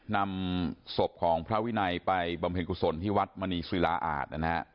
นำศพของพระวินัยไปบำเพ็ญกุศลที่วัดมณีศิลาอาจนะครับ